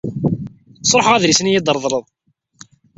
Sṛuḥeɣ adlis-nni ay iyi-d-treḍled.